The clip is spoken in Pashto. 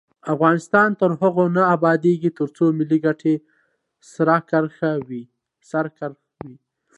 افغانستان تر هغو نه ابادیږي، ترڅو ملي ګټې سر کرښه وي.